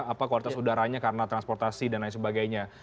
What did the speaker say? apa kualitas udaranya karena transportasi dan lain sebagainya